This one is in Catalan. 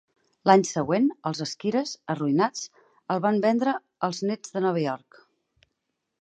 L'any següent, els Squires, arruïnats, el van vendre als Nets de Nova York.